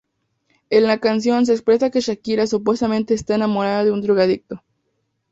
En la canción se expresa que Shakira supuestamente está enamorada de un drogadicto.